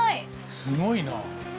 すごいなあ。